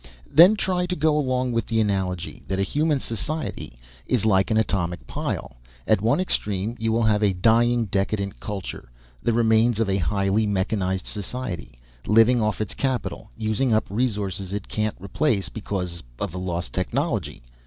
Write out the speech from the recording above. Then try to go along with the analogy that a human society is like an atomic pile. At one extreme you will have a dying, decadent culture the remains of a highly mechanized society living off its capital, using up resources it can't replace because of a lost technology.